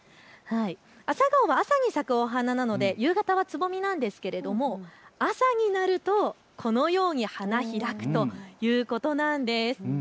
朝顔は朝に咲くお花なので夕方はつぼみなんですけれど朝になると、このように花開くということなんです。